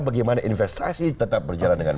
bagaimana investasi tetap berjalan dengan